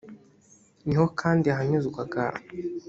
ni ho kandi hanyuzwaga